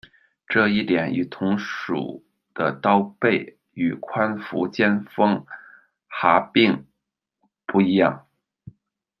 这一点与同属的刀贝与宽幅尖峰蛤并不一样。